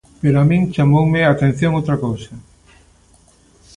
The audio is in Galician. Pero a min chamoume a atención outra cousa.